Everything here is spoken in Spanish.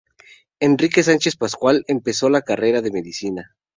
Enrique Sánchez Pascual empezó la carrera de Medicina.